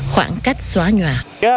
khoảng cách xóa nhòa